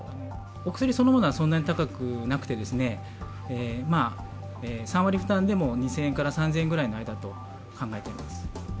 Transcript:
お薬そのものはそんなに高くなくて、３割負担でも２０００円から３０００円くらいの間と考えています。